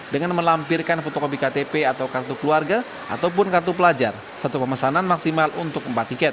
dengan melampirkan fotokopi ktp atau kartu keluarga ataupun kartu pelajar satu pemesanan maksimal untuk empat tiket